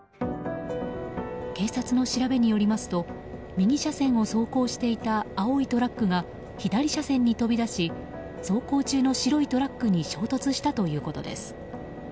警察の調べによりますと右車線を走行していた青いトラックが左車線に飛び出し走行中の白いトラックに衝突したということです。